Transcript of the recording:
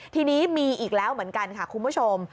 ทีนี้มีอีกแล้วเหมือนกันค่ะคุณผู้ชม